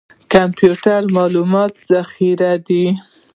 کمپیوټر د معلوماتو ذخیره ده